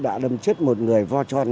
đã đâm chết một người vo tròn